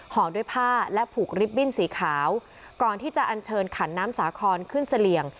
ห่อด้วยผ้าและผูกริบบิ้นสีขาวก่อนที่จะอันเชิญขันน้ำสาคอนขึ้นเสลี่ยง